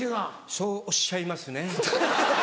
そうおっしゃいますね。